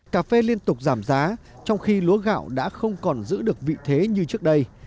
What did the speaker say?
cà phê liên tục giảm giá trong khi lúa gạo đã không còn giữ được vị thế như trước đây